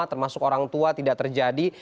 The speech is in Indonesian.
termasuk orang tua tidak terjadi